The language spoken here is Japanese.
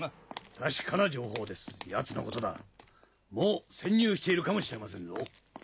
確かな情報ですヤツのことだもう潜入しているかもしれませんぞ。